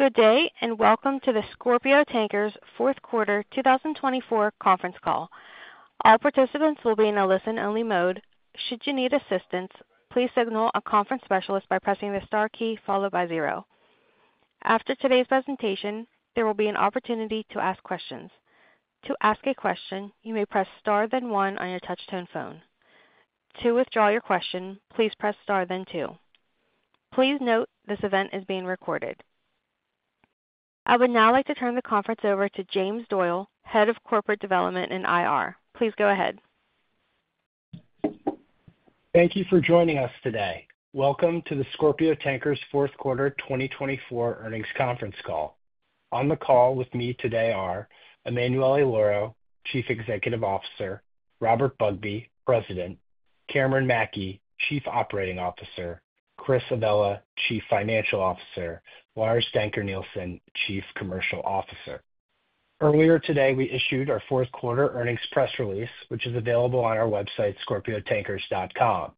Good day, and welcome to the Scorpio Tankers Fourth Quarter 2024 Conference Call. All participants will be in a listen-only mode. Should you need assistance, please signal a conference specialist by pressing the star key followed by zero. After today's presentation, there will be an opportunity to ask questions. To ask a question, you may press star then one on your Touch-Tone phone. To withdraw your question, please press star then two. Please note this event is being recorded. I would now like to turn the conference over to James Doyle, Head of Corporate Development and IR. Please go ahead. Thank you for joining us today. Welcome to the Scorpio Tankers Fourth Quarter 2024 Earnings Conference Call. On the call with me today are Emanuele Lauro, Chief Executive Officer, Robert Bugbee, President, Cameron Mackey, Chief Operating Officer, Chris Avella, Chief Financial Officer, and Lars Dencker Nielsen, Chief Commercial Officer. Earlier today, we issued our Fourth Quarter Earnings Press Release, which is available on our website, www.scorpiotankers.com.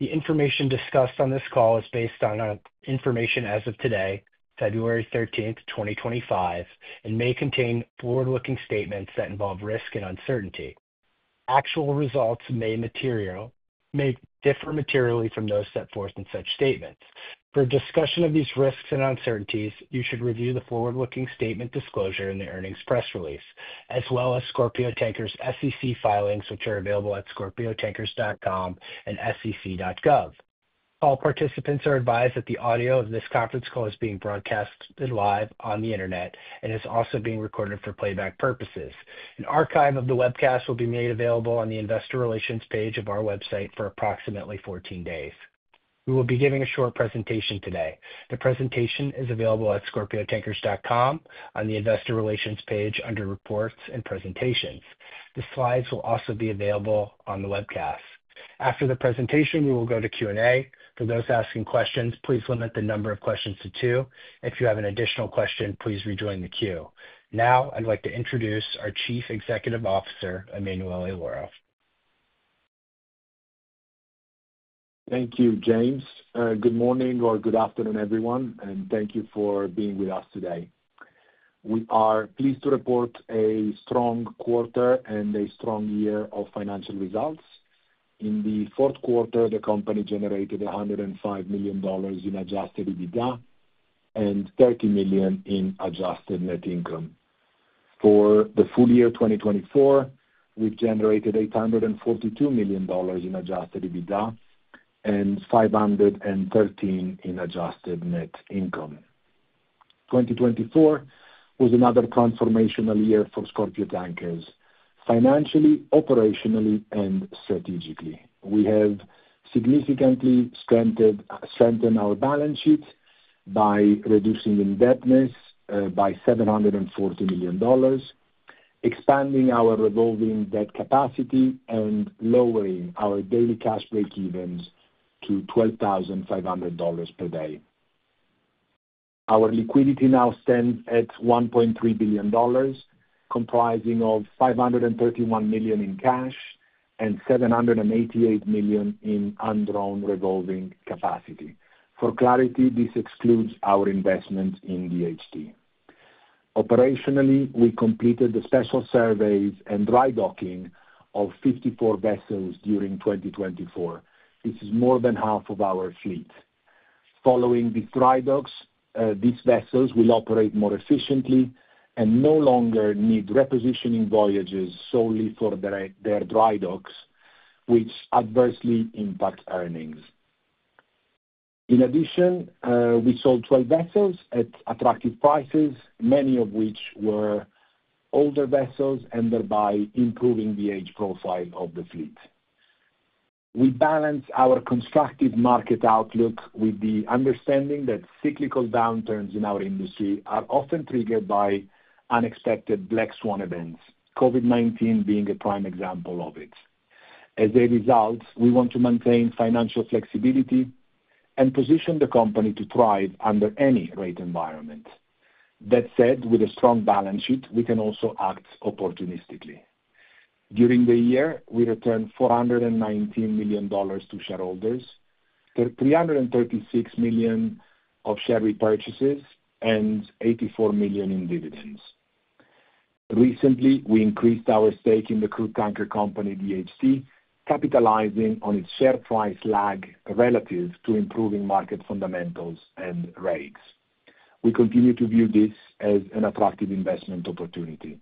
The information discussed on this call is based on information as of today, February 13th, 2025, and may contain forward-looking statements that involve risk and uncertainty. Actual results may differ materially from those set forth in such statements. For discussion of these risks and uncertainties, you should review the forward-looking statement disclosure in the earnings press release, as well as Scorpio Tankers SEC filings, which are available at www.scorpiotankers.com and sec.gov. All participants are advised that the audio of this conference call is being broadcast live on the internet and is also being recorded for playback purposes. An archive of the webcast will be made available on the investor relations page of our website for approximately 14 days. We will be giving a short presentation today. The presentation is available at ScorpioTankers.com on the investor relations page under reports and presentations. The slides will also be available on the webcast. After the presentation, we will go to Q&A. For those asking questions, please limit the number of questions to two. If you have an additional question, please rejoin the queue. Now, I'd like to introduce our Chief Executive Officer, Emanuele Lauro. Thank you, James. Good morning or good afternoon, everyone, and thank you for being with us today. We are pleased to report a strong quarter and a strong year of financial results. In the fourth quarter, the company generated $105 million in Adjusted EBITDA and $30 million in Adjusted Net Income. For the full year 2024, we've generated $842 million in Adjusted EBITDA and $513 million in Adjusted Net Income. 2024 was another transformational year for Scorpio Tankers, financially, operationally, and strategically. We have significantly strengthened our balance sheet by reducing indebtedness by $740 million, expanding our revolving debt capacity, and lowering our daily cash breakevens to $12,500 per day. Our liquidity now stands at $1.3 billion, comprising of $531 million in cash and $788 million in undrawn revolving capacity. For clarity, this excludes our investments in DHT. Recently, we increased our stake in the crude tanker company DHT, capitalizing on its share price lag relative to improving market fundamentals and rates. We continue to view this as an attractive investment opportunity.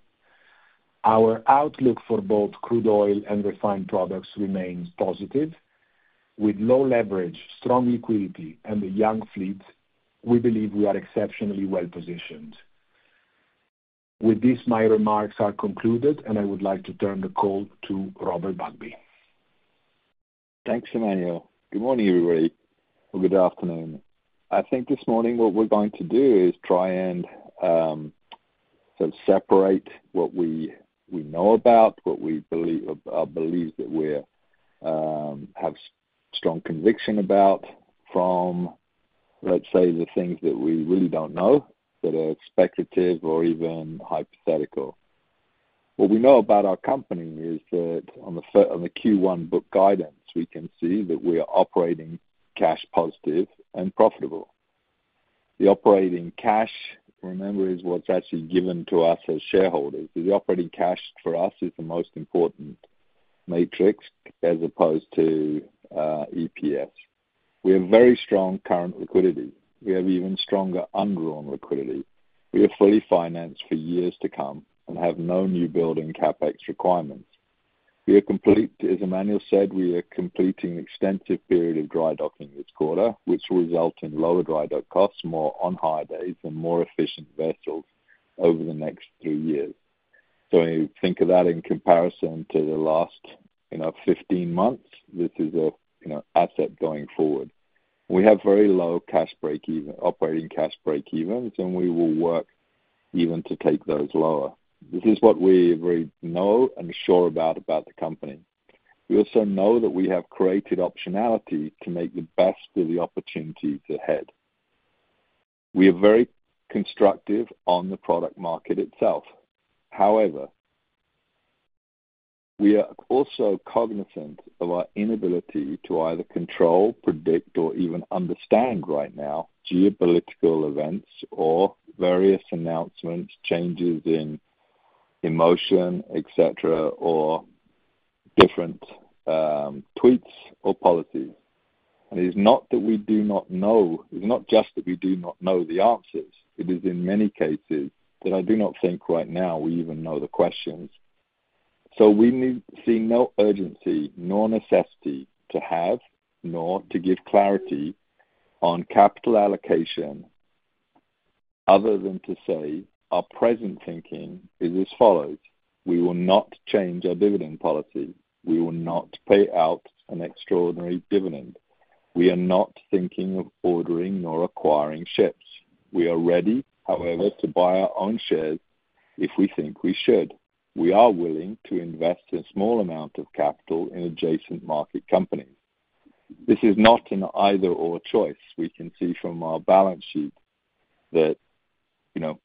Our outlook for both crude oil and refined products remains positive. With low leverage, strong liquidity, and a young fleet, we believe we are exceptionally well positioned. With this, my remarks are concluded, and I would like to turn the call to Robert Bugbee. Thanks, Emanuele. Good morning, everybody, or good afternoon. I think this morning what we're going to do is try and sort of separate what we know about, what we believe, our beliefs that we have strong conviction about from, let's say, the things that we really don't know, that are speculative or even hypothetical. What we know about our company is that on the Q1 book guidance, we can see that we are operating cash positive and profitable. The operating cash, remember, is what's actually given to us as shareholders. The operating cash for us is the most important metric as opposed to EPS. We have very strong current liquidity. We have even stronger undrawn liquidity. We are fully financed for years to come and have no newbuilding CapEx requirements. We are complete, as Emanuele said, we are completing an extensive period of dry docking this quarter, which will result in lower dry dock costs, more on-hire days, and more efficient vessels over the next three years. So think of that in comparison to the last 15 months. This is an asset going forward. We have very low cash breakevens, operating cash breakevens, and we will work even to take those lower. This is what we're very know and sure about, about the company. We also know that we have created optionality to make the best of the opportunities ahead. We are very constructive on the product market itself. However, we are also cognizant of our inability to either control, predict, or even understand right now geopolitical events or various announcements, changes in emotion, etc., or different tweets or policies. And it is not that we do not know. It's not just that we do not know the answers. It is in many cases that I do not think right now we even know the questions. So we see no urgency nor necessity to have nor to give clarity on capital allocation other than to say our present thinking is as follows: we will not change our dividend policy. We will not pay out an extraordinary dividend. We are not thinking of ordering nor acquiring ships. We are ready, however, to buy our own shares if we think we should. We are willing to invest a small amount of capital in adjacent market companies. This is not an either-or choice. We can see from our balance sheet that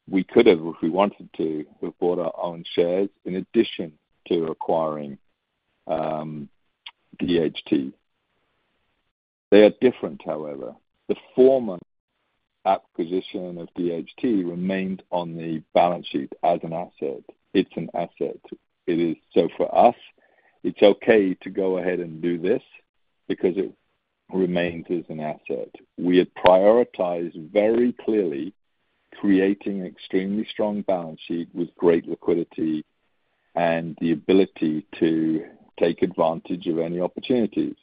we could have, if we wanted to, bought our own shares in addition to acquiring DHT. They are different, however. The former acquisition of DHT remained on the balance sheet as an asset. It's an asset. So for us, it's okay to go ahead and do this because it remains as an asset. We had prioritized very clearly creating an extremely strong balance sheet with great liquidity and the ability to take advantage of any opportunities.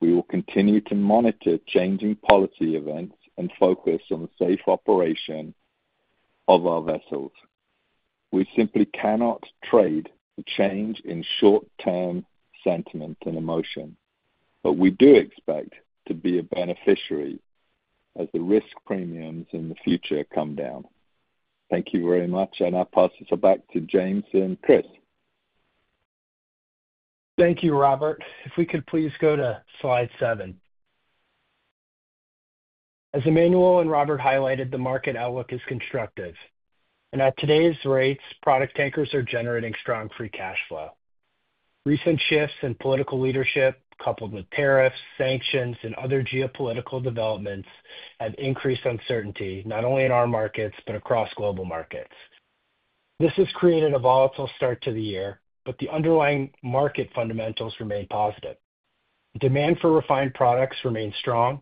We will continue to monitor changing policy events and focus on the safe operation of our vessels. We simply cannot trade a change in short-term sentiment and emotion, but we do expect to be a beneficiary as the risk premiums in the future come down. Thank you very much, and I'll pass this back to James and Chris. Thank you, Robert. If we could please go to slide seven. As Emanuele and Robert highlighted, the market outlook is constructive. And at today's rates, product tankers are generating strong free cash flow. Recent shifts in political leadership, coupled with tariffs, sanctions, and other geopolitical developments, have increased uncertainty not only in our markets but across global markets. This has created a volatile start to the year, but the underlying market fundamentals remain positive. Demand for refined products remains strong.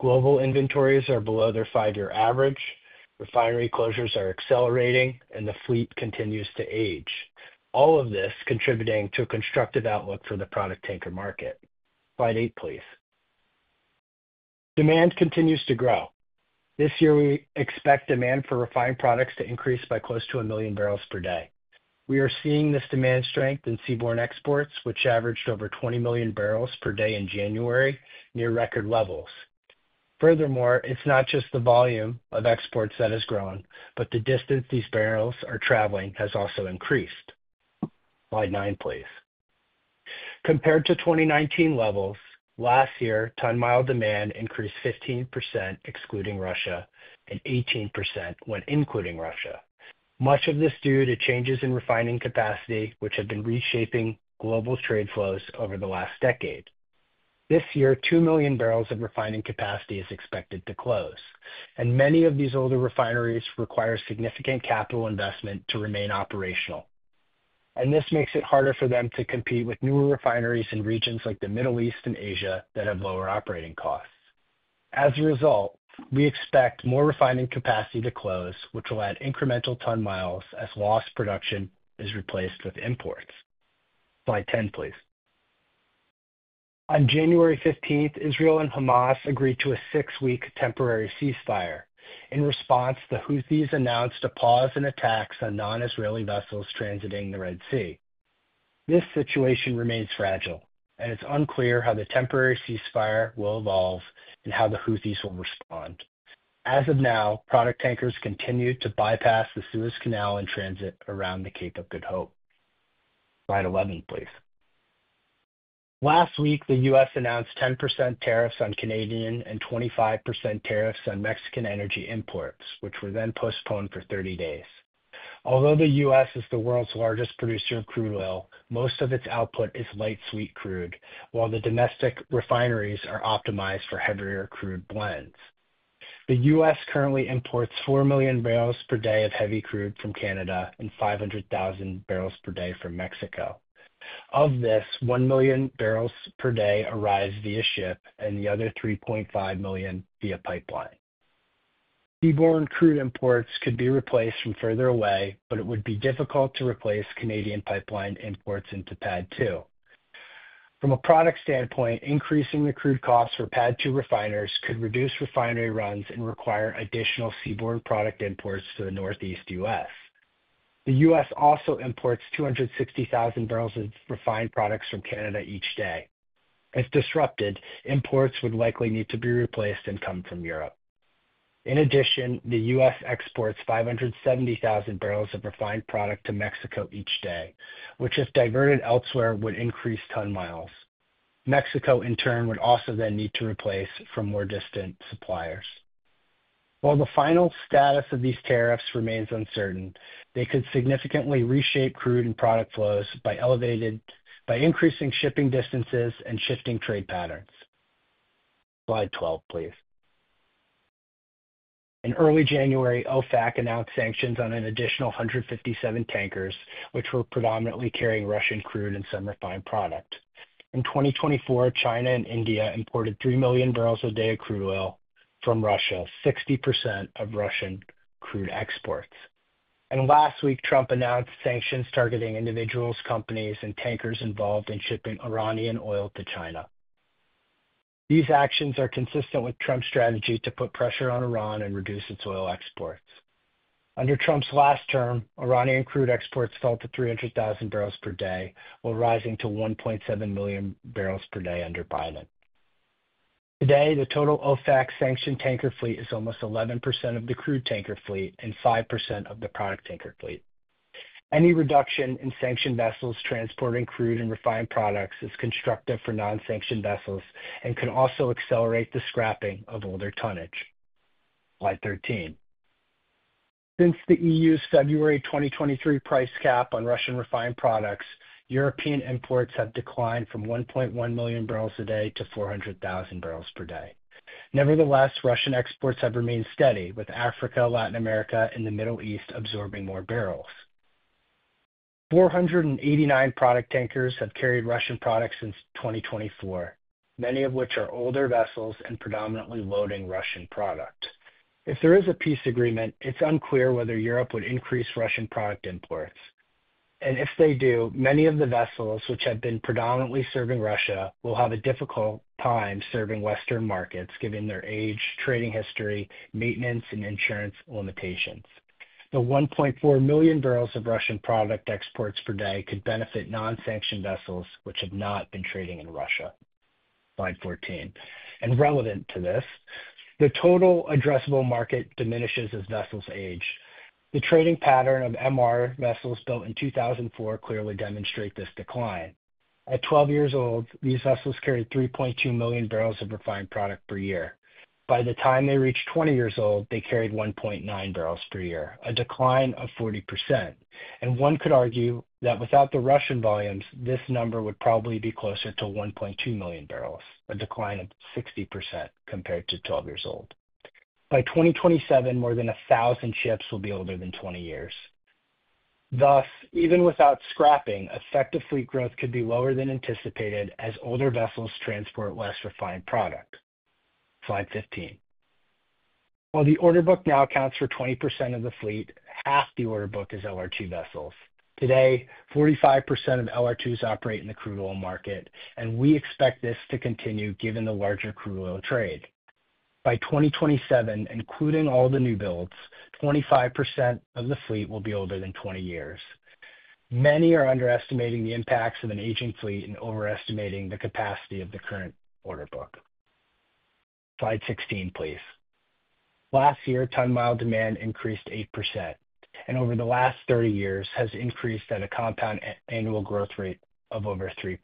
Global inventories are below their five-year average. Refinery closures are accelerating, and the fleet continues to age. All of this contributing to a constructive outlook for the product tanker market. Slide eight, please. Demand continues to grow. This year, we expect demand for refined products to increase by close to a million barrels per day. We are seeing this demand strength in seaborne exports, which averaged over 20 million barrels per day in January, near record levels. Furthermore, it's not just the volume of exports that has grown, but the distance these barrels are traveling has also increased. Slide nine, please. Compared to 2019 levels, last year, ton-mile demand increased 15%, excluding Russia, and 18% when including Russia. Much of this due to changes in refining capacity, which have been reshaping global trade flows over the last decade. This year, two million barrels of refining capacity is expected to close, and many of these older refineries require significant capital investment to remain operational, and this makes it harder for them to compete with newer refineries in regions like the Middle East and Asia that have lower operating costs. As a result, we expect more refining capacity to close, which will add incremental ton miles as lost production is replaced with imports. Slide 10, please. On January 15th, Israel and Hamas agreed to a six-week temporary ceasefire. In response, the Houthis announced a pause in attacks on non-Israeli vessels transiting the Red Sea. This situation remains fragile, and it's unclear how the temporary ceasefire will evolve and how the Houthis will respond. As of now, product tankers continue to bypass the Suez Canal and transit around the Cape of Good Hope. Slide 11, please. Last week, the U.S. announced 10% tariffs on Canadian and 25% tariffs on Mexican energy imports, which were then postponed for 30 days. Although the U.S. is the world's largest producer of crude oil, most of its output is light sweet crude, while the domestic refineries are optimized for heavier crude blends. The U.S. currently imports 4 million barrels per day of heavy crude from Canada and 500,000 barrels per day from Mexico. Of this, 1 million barrels per day arrives via ship and the other 3.5 million via pipeline. Seaborne crude imports could be replaced from further away, but it would be difficult to replace Canadian pipeline imports into PADD 2. From a product standpoint, increasing the crude costs for PADD 2 refiners could reduce refinery runs and require additional seaborne product imports to the Northeast U.S. The U.S. also imports 260,000 barrels of refined products from Canada each day. If disrupted, imports would likely need to be replaced and come from Europe. In addition, the U.S. exports 570,000 barrels of refined product to Mexico each day, which, if diverted elsewhere, would increase ton miles. Mexico, in turn, would also then need to replace from more distant suppliers. While the final status of these tariffs remains uncertain, they could significantly reshape crude and product flows by increasing shipping distances and shifting trade patterns. Slide 12, please. In early January, OFAC announced sanctions on an additional 157 tankers, which were predominantly carrying Russian crude and some refined product. In 2024, China and India imported 3 million barrels a day of crude oil from Russia, 60% of Russian crude exports. And last week, Trump announced sanctions targeting individuals, companies, and tankers involved in shipping Iranian oil to China. These actions are consistent with Trump's strategy to put pressure on Iran and reduce its oil exports. Under Trump's last term, Iranian crude exports fell to 300,000 barrels per day, while rising to 1.7 million barrels per day under Biden. Today, the total OFAC sanctioned tanker fleet is almost 11% of the crude tanker fleet and 5% of the product tanker fleet. Any reduction in sanctioned vessels transporting crude and refined products is constructive for non-sanctioned vessels and can also accelerate the scrapping of older tonnage. Slide 13. Since the EU's February 2023 price cap on Russian refined products, European imports have declined from 1.1 million barrels a day to 400,000 barrels per day. Nevertheless, Russian exports have remained steady, with Africa, Latin America, and the Middle East absorbing more barrels. 489 product tankers have carried Russian products since 2024, many of which are older vessels and predominantly loading Russian product. If there is a peace agreement, it's unclear whether Europe would increase Russian product imports, and if they do, many of the vessels which have been predominantly serving Russia will have a difficult time serving Western markets, given their age, trading history, maintenance, and insurance limitations. The 1.4 million barrels of Russian product exports per day could benefit non-sanctioned vessels which have not been trading in Russia. Slide 14, and relevant to this, the total addressable market diminishes as vessels age. The trading pattern of MR vessels built in 2004 clearly demonstrates this decline. At 12 years old, these vessels carried 3.2 million barrels of refined product per year. By the time they reached 20 years old, they carried 1.9 million barrels per year, a decline of 40%. One could argue that without the Russian volumes, this number would probably be closer to 1.2 million barrels, a decline of 60% compared to 12 years old. By 2027, more than 1,000 ships will be older than 20 years. Thus, even without scrapping, effective fleet growth could be lower than anticipated as older vessels transport less refined product. Slide 15. While the order book now accounts for 20% of the fleet, half the order book is LR2 vessels. Today, 45% of LR2s operate in the crude oil market, and we expect this to continue given the larger crude oil trade. By 2027, including all the newbuilds, 25% of the fleet will be older than 20 years. Many are underestimating the impacts of an aging fleet and overestimating the capacity of the current order book. Slide 16, please. Last year, ton-mile demand increased 8% and over the last 30 years has increased at a compound annual growth rate of over 3%.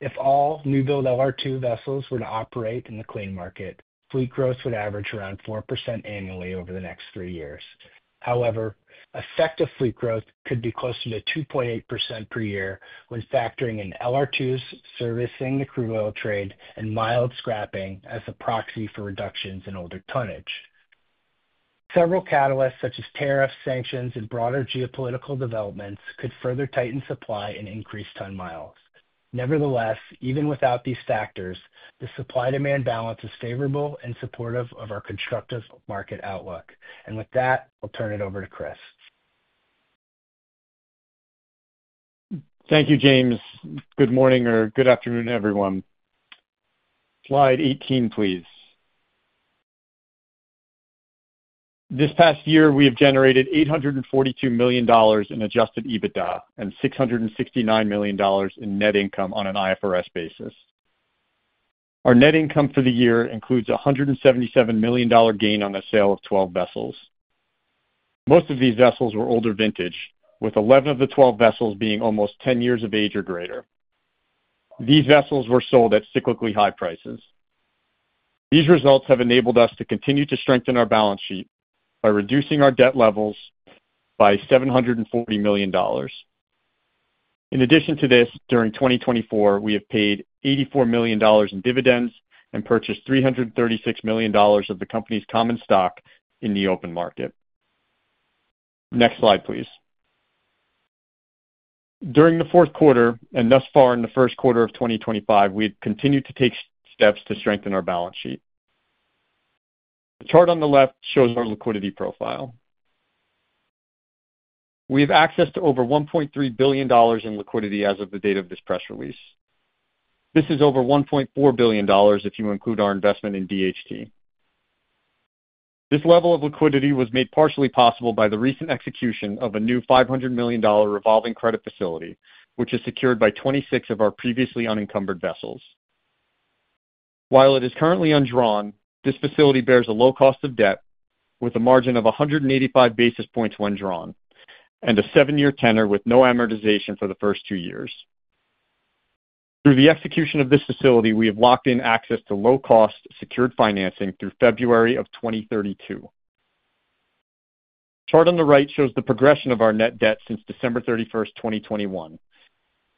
If all new-built LR2 vessels were to operate in the clean market, fleet growth would average around 4% annually over the next three years. However, effective fleet growth could be closer to 2.8% per year when factoring in LR2s servicing the crude oil trade and mild scrapping as a proxy for reductions in older tonnage. Several catalysts, such as tariffs, sanctions, and broader geopolitical developments, could further tighten supply and increase ton miles. Nevertheless, even without these factors, the supply-demand balance is favorable and supportive of our constructive market outlook. And with that, I'll turn it over to Chris. Thank you, James. Good morning or good afternoon, everyone. Slide 18, please. This past year, we have generated $842 million in Adjusted EBITDA and $669 million in net income on an IFRS basis. Our net income for the year includes a $177 million gain on the sale of 12 vessels. Most of these vessels were older vintage, with 11 of the 12 vessels being almost 10 years of age or greater. These vessels were sold at cyclically high prices. These results have enabled us to continue to strengthen our balance sheet by reducing our debt levels by $740 million. In addition to this, during 2024, we have paid $84 million in dividends and purchased $336 million of the company's common stock in the open market. Next slide, please. During the fourth quarter and thus far in the first quarter of 2025, we have continued to take steps to strengthen our balance sheet. The chart on the left shows our liquidity profile. We have access to over $1.3 billion in liquidity as of the date of this press release. This is over $1.4 billion if you include our investment in DHT. This level of liquidity was made partially possible by the recent execution of a new $500 million revolving credit facility, which is secured by 26 of our previously unencumbered vessels. While it is currently undrawn, this facility bears a low cost of debt with a margin of 185 basis points when drawn and a seven-year tenor with no amortization for the first two years. Through the execution of this facility, we have locked in access to low-cost secured financing through February of 2032. The chart on the right shows the progression of our net debt since December 31st, 2021,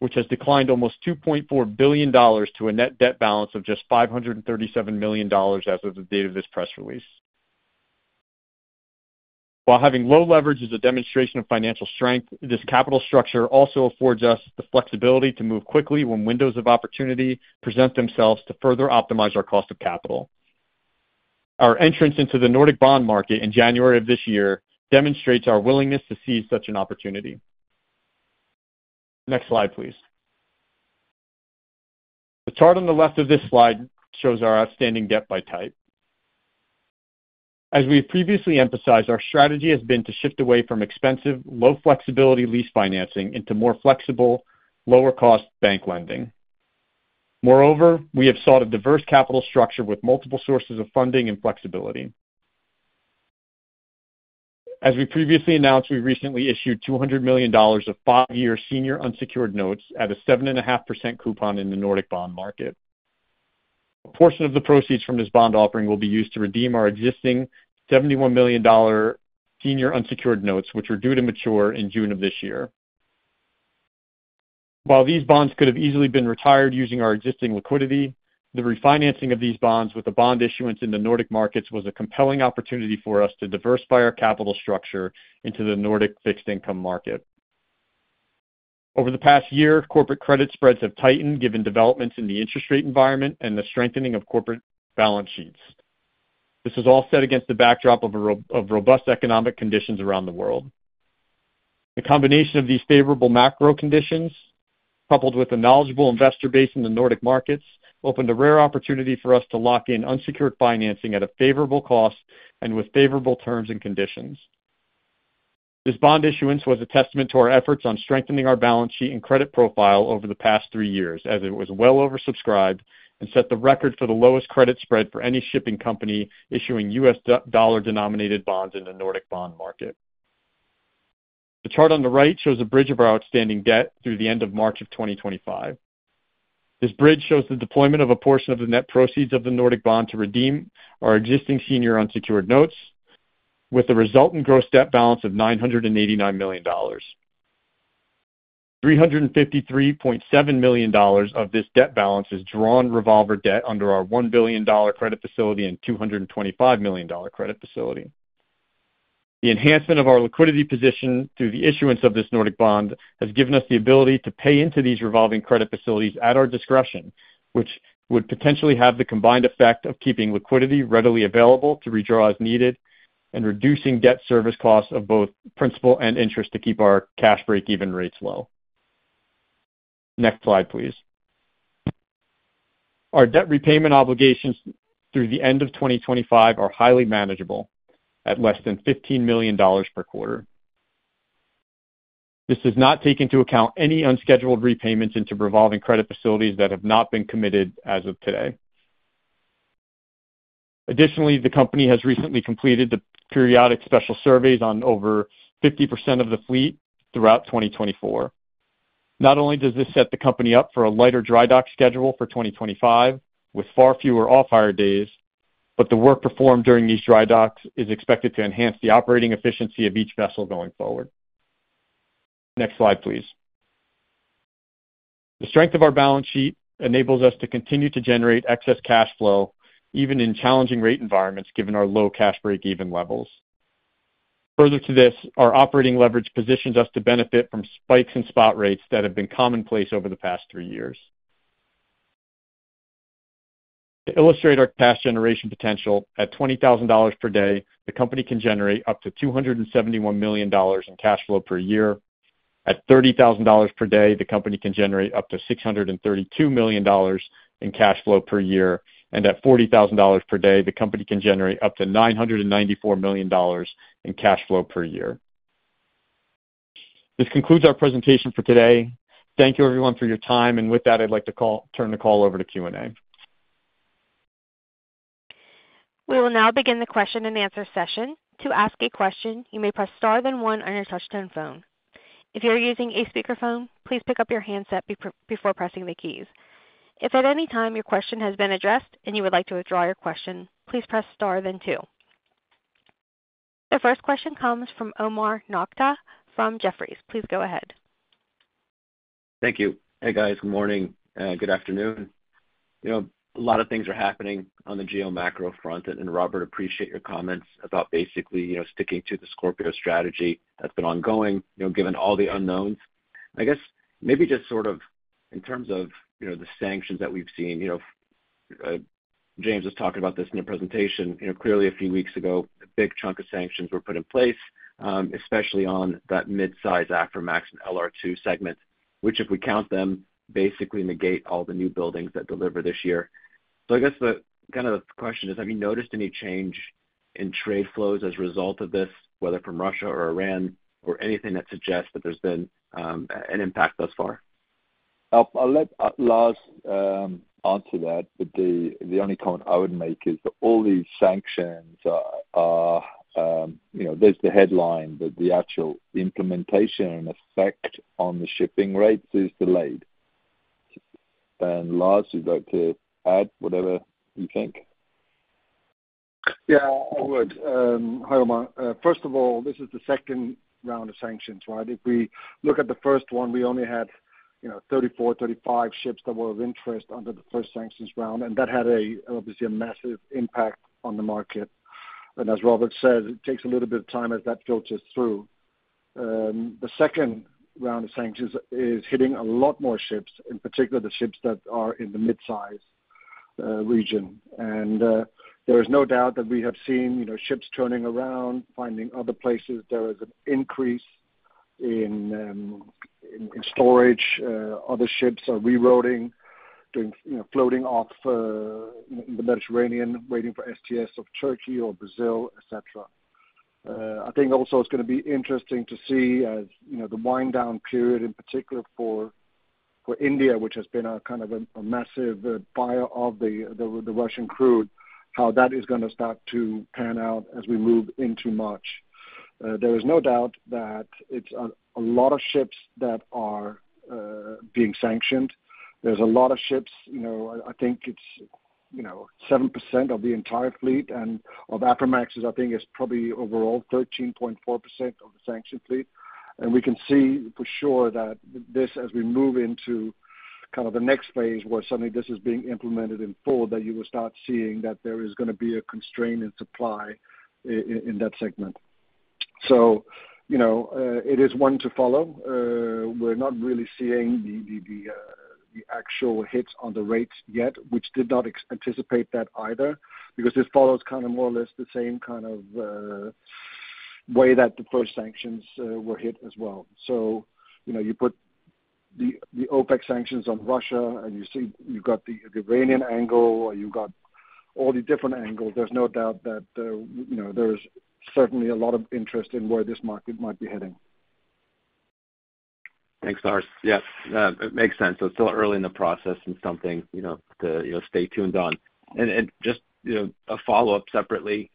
which has declined almost $2.4 billion to a net debt balance of just $537 million as of the date of this press release. While having low leverage is a demonstration of financial strength, this capital structure also affords us the flexibility to move quickly when windows of opportunity present themselves to further optimize our cost of capital. Our entrance into the Nordic bond market in January of this year demonstrates our willingness to seize such an opportunity. Next slide, please. The chart on the left of this slide shows our outstanding debt by type. As we have previously emphasized, our strategy has been to shift away from expensive, low-flexibility lease financing into more flexible, lower-cost bank lending. Moreover, we have sought a diverse capital structure with multiple sources of funding and flexibility. As we previously announced, we recently issued $200 million of five-year senior unsecured notes at a 7.5% coupon in the Nordic bond market. A portion of the proceeds from this bond offering will be used to redeem our existing $71 million senior unsecured notes, which are due to mature in June of this year. While these bonds could have easily been retired using our existing liquidity, the refinancing of these bonds with a bond issuance in the Nordic markets was a compelling opportunity for us to diversify our capital structure into the Nordic fixed-income market. Over the past year, corporate credit spreads have tightened given developments in the interest rate environment and the strengthening of corporate balance sheets. This is all set against the backdrop of robust economic conditions around the world. The combination of these favorable macro conditions, coupled with a knowledgeable investor base in the Nordic markets, opened a rare opportunity for us to lock in unsecured financing at a favorable cost and with favorable terms and conditions. This bond issuance was a testament to our efforts on strengthening our balance sheet and credit profile over the past three years, as it was well oversubscribed and set the record for the lowest credit spread for any shipping company issuing U.S. dollar-denominated bonds in the Nordic bond market. The chart on the right shows a bridge of our outstanding debt through the end of March of 2025. This bridge shows the deployment of a portion of the net proceeds of the Nordic bond to redeem our existing senior unsecured notes, with the resultant gross debt balance of $989 million. $353.7 million of this debt balance is drawn revolver debt under our $1 billion credit facility and $225 million credit facility. The enhancement of our liquidity position through the issuance of this Nordic bond has given us the ability to pay into these revolving credit facilities at our discretion, which would potentially have the combined effect of keeping liquidity readily available to redraw as needed and reducing debt service costs of both principal and interest to keep our cash breakeven rates low. Next slide, please. Our debt repayment obligations through the end of 2025 are highly manageable at less than $15 million per quarter. This does not take into account any unscheduled repayments into revolving credit facilities that have not been committed as of today. Additionally, the company has recently completed the periodic special surveys on over 50% of the fleet throughout 2024. Not only does this set the company up for a lighter dry dock schedule for 2025 with far fewer off-hire days, but the work performed during these dry docks is expected to enhance the operating efficiency of each vessel going forward. Next slide, please. The strength of our balance sheet enables us to continue to generate excess cash flow even in challenging rate environments given our low cash breakeven levels. Further to this, our operating leverage positions us to benefit from spikes in spot rates that have been commonplace over the past three years. To illustrate our cash generation potential, at $20,000 per day, the company can generate up to $271 million in cash flow per year. At $30,000 per day, the company can generate up to $632 million in cash flow per year. At $40,000 per day, the company can generate up to $994 million in cash flow per year. This concludes our presentation for today. Thank you, everyone, for your time. With that, I'd like to turn the call over to Q&A. We will now begin the question-and-answer session. To ask a question, you may press star then one on your touch-tone phone. If you're using a speakerphone, please pick up your handset before pressing the keys. If at any time your question has been addressed and you would like to withdraw your question, please press star then two. The first question comes from Omar Nokta from Jefferies. Please go ahead. Thank you. Hey, guys. Good morning. Good afternoon. A lot of things are happening on the geomacro front. Robert, appreciate your comments about basically sticking to the Scorpio strategy that's been ongoing given all the unknowns. I guess maybe just sort of in terms of the sanctions that we've seen. James was talking about this in the presentation. Clearly, a few weeks ago, a big chunk of sanctions were put in place, especially on that mid-size Aframax and LR2 segment, which, if we count them, basically negate all the newbuildings that deliver this year. So I guess kind of the question is, have you noticed any change in trade flows as a result of this, whether from Russia or Iran or anything that suggests that there's been an impact thus far? I'll let Lars answer that. But the only comment I would make is that all these sanctions are, there's the headline, but the actual implementation and effect on the shipping rates is delayed. And Lars, you'd like to add whatever you think? Yeah, I would. Hi, Omar. First of all, this is the second round of sanctions, right? If we look at the first one, we only had 34, 35 ships that were of interest under the first sanctions round. And that had obviously a massive impact on the market. And as Robert said, it takes a little bit of time as that filters through. The second round of sanctions is hitting a lot more ships, in particular the ships that are in the mid-size region. And there is no doubt that we have seen ships turning around, finding other places. There is an increase in storage. Other ships are rerouting, floating off in the Mediterranean, waiting for STS off Turkey or Brazil, etc. I think also it's going to be interesting to see as the wind-down period, in particular for India, which has been kind of a massive buyer of the Russian crude, how that is going to start to pan out as we move into March. There is no doubt that it's a lot of ships that are being sanctioned. There's a lot of ships. I think it's 7% of the entire fleet, and of Aframaxes, I think it's probably overall 13.4% of the sanctioned fleet, and we can see for sure that this, as we move into kind of the next phase where suddenly this is being implemented in full, that you will start seeing that there is going to be a constraint in supply in that segment, so it is one to follow. We're not really seeing the actual hits on the rates yet, which did not anticipate that either, because this follows kind of more or less the same kind of way that the first sanctions were hit as well. So you put the OFAC sanctions on Russia, and you've got the Iranian angle, or you've got all the different angles. There's no doubt that there is certainly a lot of interest in where this market might be heading. Thanks, Lars. Yeah, it makes sense. So it's still early in the process and something to stay tuned on. And just a follow-up separately,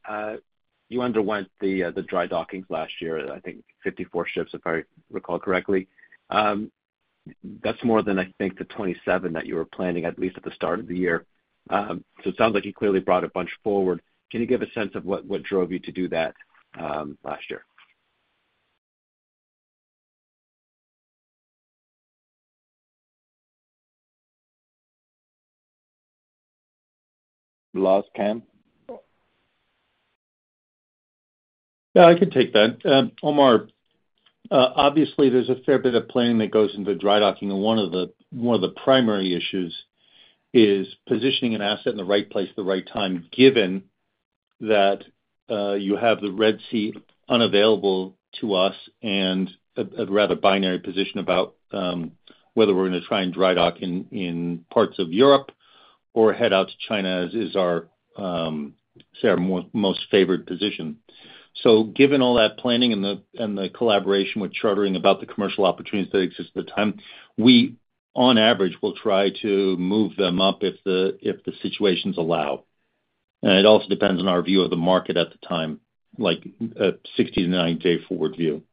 you underwent the dry dockings last year, I think 54 ships, if I recall correctly. That's more than, I think, the 27 that you were planning, at least at the start of the year. So it sounds like you clearly brought a bunch forward. Can you give a sense of what drove you to do that last year? Lars come. Yeah, I can take that. Omar, obviously, there's a fair bit of planning that goes into dry docking, and one of the primary issues is positioning an asset in the right place at the right time, given that you have the Red Sea unavailable to us and a rather binary position about whether we're going to try and dry dock in parts of Europe or head out to China, is our, say, our most favored position, so given all that planning and the collaboration with chartering about the commercial opportunities that exist at the time, we, on average, will try to move them up if the situations allow, and it also depends on our view of the market at the time, like a 60-90-day forward view.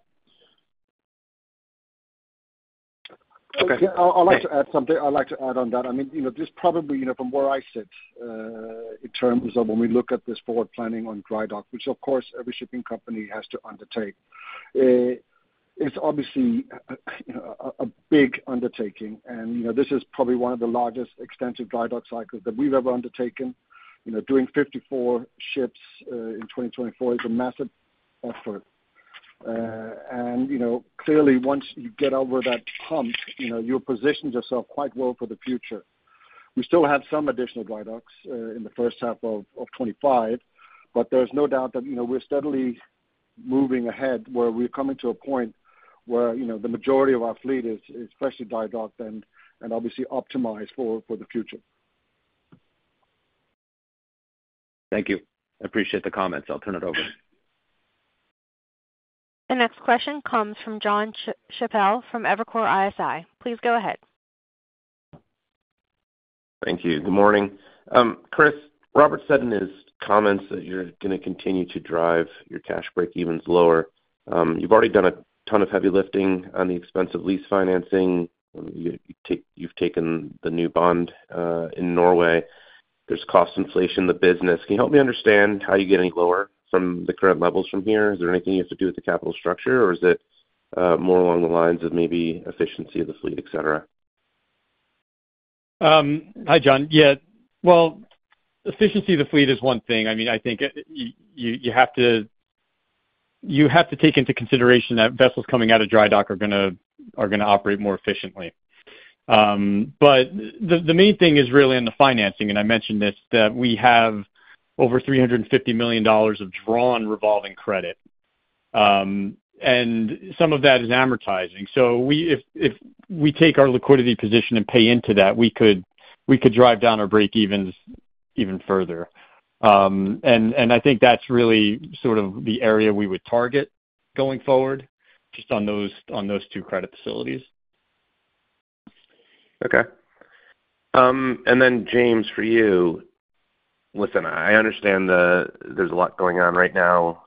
Okay. I'd like to add something. I'd like to add on that. I mean, just probably from where I sit in terms of when we look at this forward planning on dry dock, which, of course, every shipping company has to undertake, it's obviously a big undertaking. And this is probably one of the largest extensive dry dock cycles that we've ever undertaken. Doing 54 ships in 2024 is a massive effort. And clearly, once you get over that hump, you've positioned yourself quite well for the future. We still have some additional dry docks in the first half of 2025, but there's no doubt that we're steadily moving ahead where we're coming to a point where the majority of our fleet is freshly dry docked and obviously optimized for the future. Thank you. I appreciate the comments. I'll turn it over. The next question comes from Jon Chappell from Evercore ISI. Please go ahead. Thank you. Good morning. Chris, Robert said in his comments that you're going to continue to drive your cash breakevens lower. You've already done a ton of heavy lifting on the expense of lease financing. You've taken the new bond in Norway. There's cost inflation in the business. Can you help me understand how you get any lower from the current levels from here? Is there anything you have to do with the capital structure, or is it more along the lines of maybe efficiency of the fleet, etc.? Hi, Jon. Yeah, well, efficiency of the fleet is one thing. I mean, I think you have to take into consideration that vessels coming out of dry dock are going to operate more efficiently, but the main thing is really in the financing, and I mentioned this, that we have over $350 million of drawn revolving credit, and some of that is amortizing. So if we take our liquidity position and pay into that, we could drive down our breakevens even further, and I think that's really sort of the area we would target going forward just on those two credit facilities. Okay. And then, James, for you. Listen, I understand there's a lot going on right now.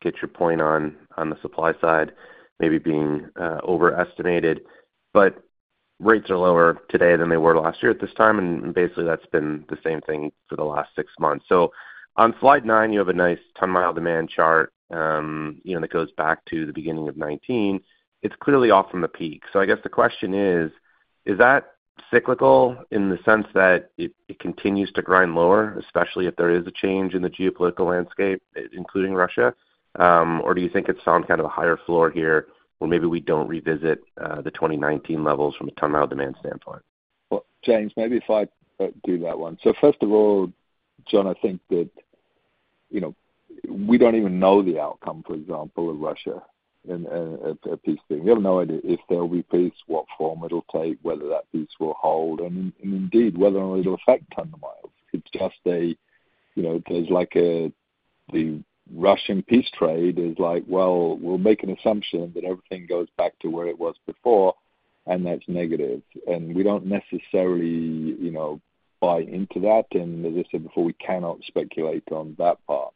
Get your point on the supply side maybe being overestimated. But rates are lower today than they were last year at this time. And basically, that's been the same thing for the last six months. So on slide nine, you have a nice ton-mile demand chart that goes back to the beginning of 2019. It's clearly off from the peak. So I guess the question is, is that cyclical in the sense that it continues to grind lower, especially if there is a change in the geopolitical landscape, including Russia? Or do you think it's found kind of a higher floor here where maybe we don't revisit the 2019 levels from a ton-mile demand standpoint? James, maybe if I do that one. First of all, Jon, I think that we don't even know the outcome, for example, of Russia and a peace deal. We have no idea if they'll be peace, what form it'll take, whether that peace will hold, and indeed whether or not it'll affect ton-miles. It's just there's like the Russian product trade is like, well, we'll make an assumption that everything goes back to where it was before, and that's negative. And we don't necessarily buy into that. And as I said before, we cannot speculate on that part.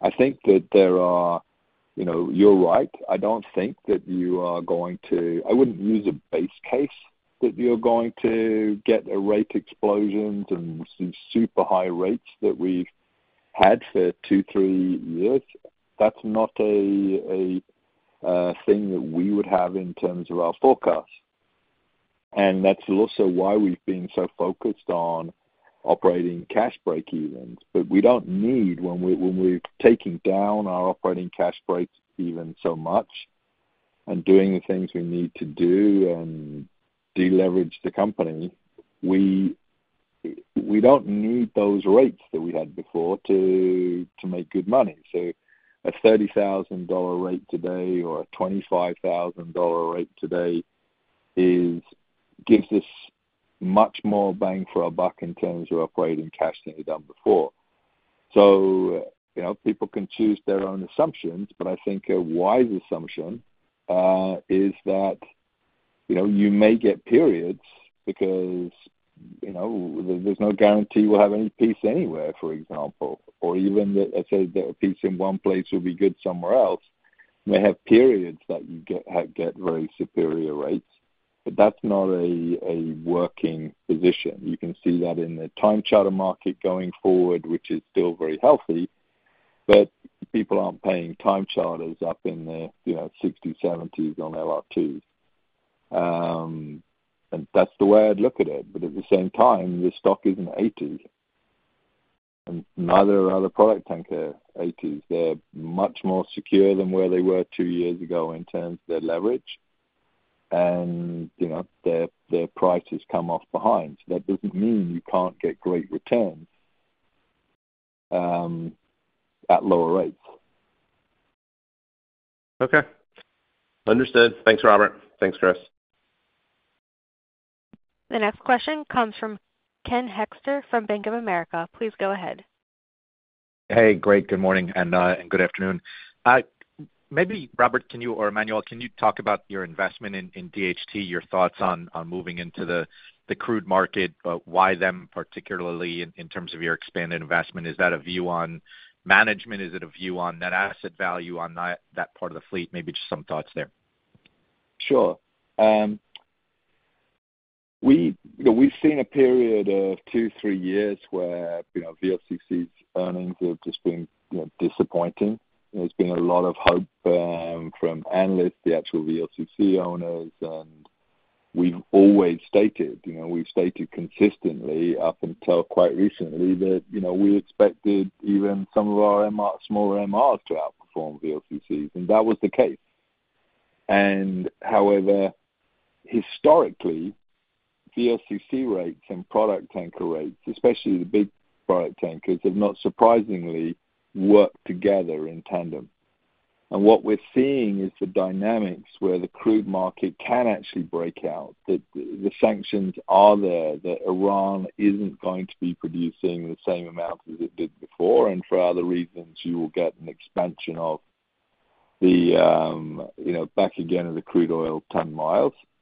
I think that. You're right. I wouldn't use a base case that you're going to get rate explosions and super high rates that we've had for two, three years. That's not a thing that we would have in terms of our forecast, and that's also why we've been so focused on operating cash breakevens, but we don't need when we're taking down our operating cash breakevens so much and doing the things we need to do and deleverage the company, we don't need those rates that we had before to make good money, so a $30,000 rate today or a $25,000 rate today gives us much more bang for our buck in terms of operating cash than we've done before, so people can choose their own assumptions, but I think a wise assumption is that you may get periods because there's no guarantee we'll have any peace anywhere, for example, or even that a peace in one place will be good somewhere else. You may have periods that you get very superior rates, but that's not a working position. You can see that in the time charter market going forward, which is still very healthy. But people aren't paying time charters up in the 60s, 70s on LR2s. And that's the way I'd look at it. But at the same time, the stock is in the 80s. And neither are other product tanker 80s. They're much more secure than where they were two years ago in terms of their leverage. And their price has come off behind. That doesn't mean you can't get great returns at lower rates. Okay. Understood. Thanks, Robert. Thanks, Chris. The next question comes from Ken Hoexter from Bank of America. Please go ahead. Hey, great. Good morning and good afternoon. Maybe Robert or Emanuele, can you talk about your investment in DHT, your thoughts on moving into the crude market, but why them particularly in terms of your expanded investment? Is that a view on management? Is it a view on net asset value on that part of the fleet? Maybe just some thoughts there. Sure. We've seen a period of two, three years where VLCCs' earnings have just been disappointing. There's been a lot of hope from analysts, the actual VLCC owners. And we've always stated, we've stated consistently up until quite recently that we expected even some of our smaller MRs to outperform VLCCs. And that was the case. And however, historically, VLCC rates and product tanker rates, especially the big product tankers, have not surprisingly worked together in tandem. And what we're seeing is the dynamics where the crude market can actually break out. The sanctions are there, that Iran isn't going to be producing the same amount as it did before. And for other reasons, you will get an expansion of the ton-miles in the crude oil.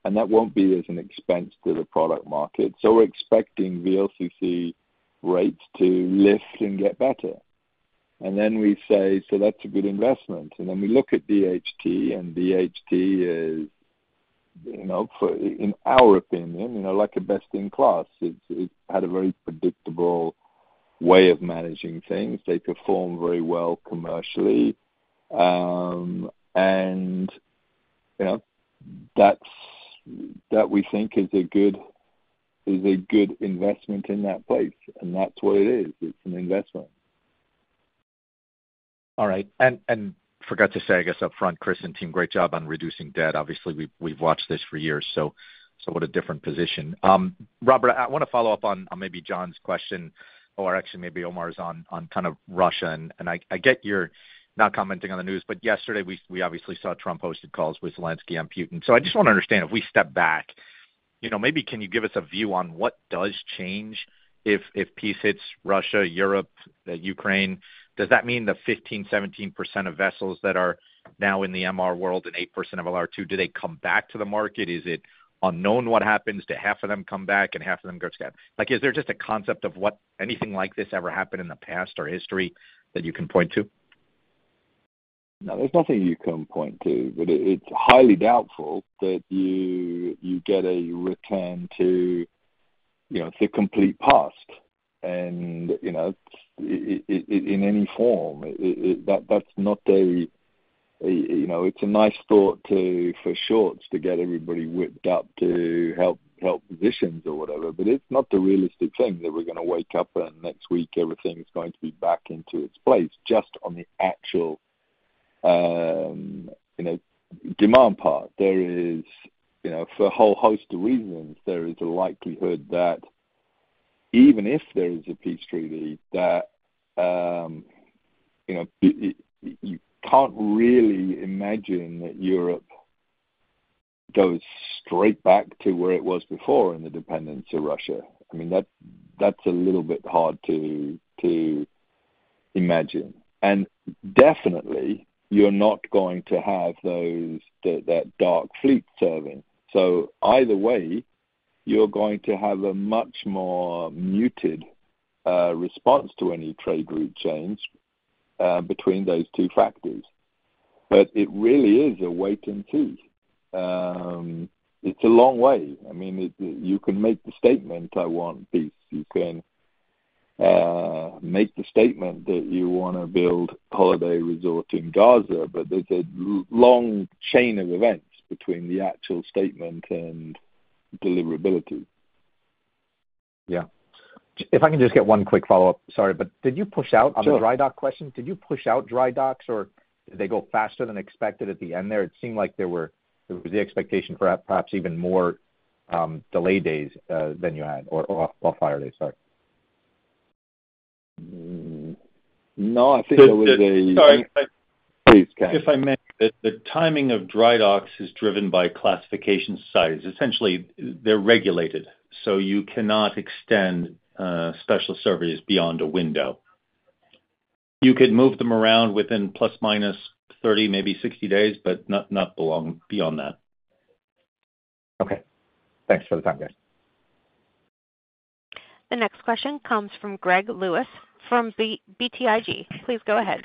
And that won't be at the expense of the product market. So we're expecting VLCC rates to lift and get better. We say, "So that's a good investment." We look at DHT, and DHT is, in our opinion, like a best-in-class. It's had a very predictable way of managing things. They perform very well commercially. That we think is a good investment in that place. That's what it is. It's an investment. All right. And forgot to say, I guess, upfront, Chris and team, great job on reducing debt. Obviously, we've watched this for years. So what a different position. Robert, I want to follow up on maybe Jon's question, or actually maybe Omar's on kind of Russia. And I get you're not commenting on the news, but yesterday, we obviously saw Trump hosted calls with Zelensky and Putin. So I just want to understand if we step back, maybe can you give us a view on what does change if peace hits Russia, Europe, Ukraine? Does that mean the 15%-17% of vessels that are now in the MR world and 8% of LR2, do they come back to the market? Is it unknown what happens? Do half of them come back and half of them go to scrap? Is there just a concept of anything like this ever happened in the past or history that you can point to? No, there's nothing you can point to. But it's highly doubtful that you get a return to the complete past in any form. It's a nice thought for shorts to get everybody whipped up to help positions or whatever. But it's not the realistic thing that we're going to wake up and next week everything's going to be back into its place just on the actual demand part. There is, for a whole host of reasons, there is a likelihood that even if there is a peace treaty, that you can't really imagine that Europe goes straight back to where it was before in the dependence of Russia. I mean, that's a little bit hard to imagine. And definitely, you're not going to have that dark fleet serving. So either way, you're going to have a much more muted response to any trade route change between those two factors. But it really is a wait and see. It's a long way. I mean, you can make the statement, "I want peace." You can make the statement that you want to build holiday resorts in Gaza, but there's a long chain of events between the actual statement and deliverability. Yeah. If I can just get one quick follow-up, sorry, but did you push out on the dry dock question? Did you push out dry docks, or did they go faster than expected at the end there? It seemed like there was the expectation for perhaps even more delay days than you had, or off-hire days. Sorry. No, I think there was a... Sorry. Please, Ken. The timing of dry docks is driven by classification society. Essentially, they're regulated, so you cannot extend special surveys beyond a window. You could move them around within plus minus 30, maybe 60 days, but not beyond that. Okay. Thanks for the time, guys. The next question comes from Greg Lewis from BTIG. Please go ahead.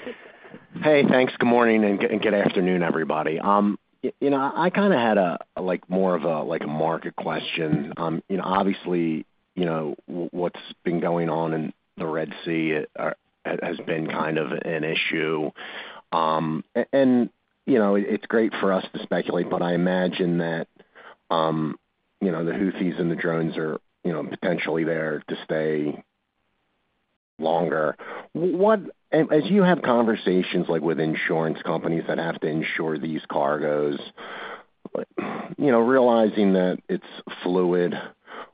Hey, thanks. Good morning and good afternoon, everybody. I kind of had more of a market question. Obviously, what's been going on in the Red Sea has been kind of an issue. And it's great for us to speculate, but I imagine that the Houthis and the drones are potentially there to stay longer. As you have conversations with insurance companies that have to insure these cargoes, realizing that it's fluid,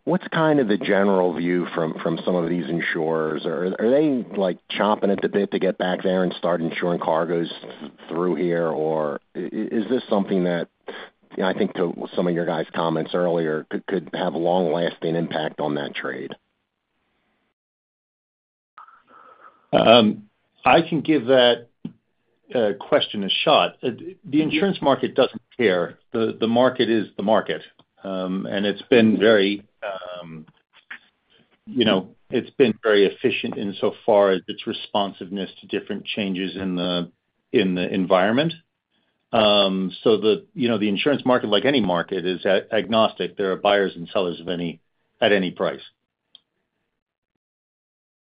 what's kind of the general view from some of these insurers? Are they chomping at the bit to get back there and start insuring cargoes through here? Or is this something that I think some of your guys' comments earlier could have a long-lasting impact on that trade? I can give that question a shot. The insurance market doesn't care. The market is the market. And it's been very, it's been very efficient insofar as its responsiveness to different changes in the environment. So the insurance market, like any market, is agnostic. There are buyers and sellers at any price.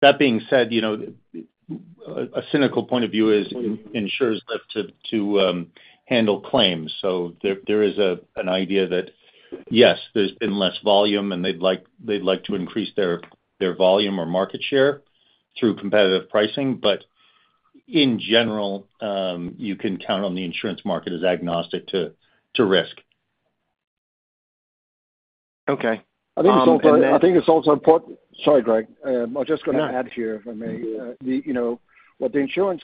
That being said, a cynical point of view is insurers like to handle claims. So there is an idea that, yes, there's been less volume, and they'd like to increase their volume or market share through competitive pricing. But in general, you can count on the insurance market as agnostic to risk. I think it's also important, sorry, Greg. I'm just going to add here, if I may. What the insurance